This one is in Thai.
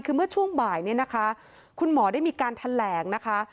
คือเมื่อช่วงบ่ายคุณหมอได้มีการแธนแหลงนะคะ